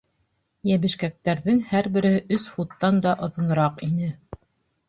Йәбешкәктәрҙең һәр береһе өс футтан да оҙонораҡ ине.